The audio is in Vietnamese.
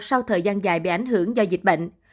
sau thời gian dài bị ảnh hưởng do dịch bệnh